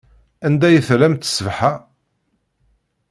Anda i tellamt ṣṣbeḥ-a?